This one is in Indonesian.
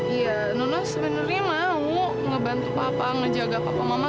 iya nono sebenarnya mau ngebantu papa ngejaga papa mama